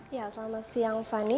ya selamat siang fani